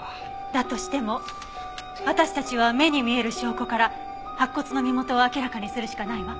だとしても私たちは目に見える証拠から白骨の身元を明らかにするしかないわ。